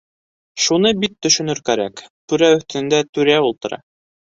Шуны бит төшөнөр кәрәк - түрә өҫтөндә түрә ултыра.